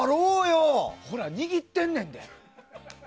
ほら、握ってんねんで。